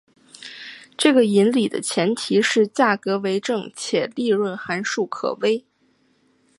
这个引理的前提是价格为正且利润函数可微。